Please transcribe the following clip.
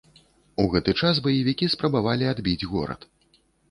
У гэты час баевікі спрабавалі адбіць горад.